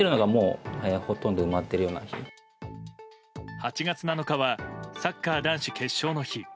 ８月７日はサッカー男子決勝の日。